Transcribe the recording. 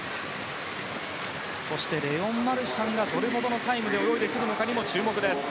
そして、レオン・マルシャンがどれほどのタイムで泳いでくるかにも注目です。